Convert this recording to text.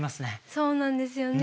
そうなんですよね。